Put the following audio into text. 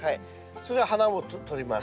それは花もとります。